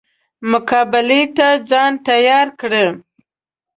مقابلې ته ځان تیار کړي.